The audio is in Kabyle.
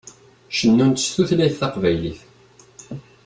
Cennunt s tutlayt taqbaylit.